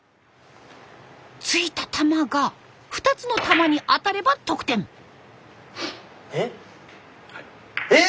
ついた球が２つの球に当たれば得点。え？え！